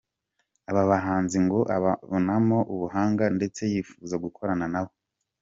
Aba bahanzi ngo ababonamo ubuhanga ndetse yifuza gukorana nabo.